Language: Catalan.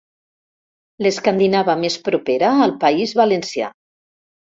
L'escandinava més propera al País Valencià.